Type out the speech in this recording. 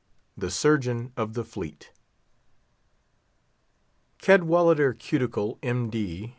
THE SURGEON OF THE FLEET. Cadwallader Cuticle, M. D.